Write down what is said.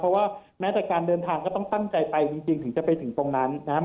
เพราะว่าแม้แต่การเดินทางก็ต้องตั้งใจไปจริงถึงจะไปถึงตรงนั้นนะครับ